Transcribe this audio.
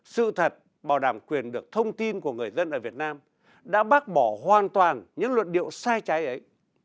sự thật bảo đảm quyền được thông tin của người dân ở việt nam đã bác bỏ hoàn toàn những luận điệu sai trái ấy